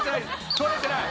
取れてない！